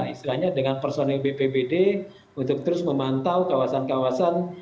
istilahnya dengan personil bpbd untuk terus memantau kawasan kawasan